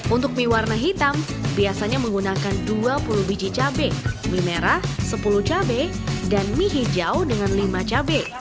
untuk mie warna hitam biasanya menggunakan dua puluh biji cabai mie merah sepuluh cabai dan mie hijau dengan lima cabai